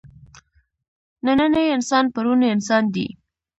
نننی انسان پروني انسان دی.